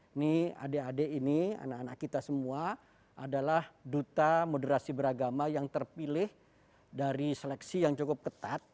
ini adik adik ini anak anak kita semua adalah duta moderasi beragama yang terpilih dari seleksi yang cukup ketat